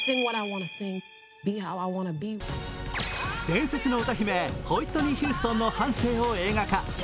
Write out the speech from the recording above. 伝説の歌姫、ホイットニー・ヒューストンの半生を映画化。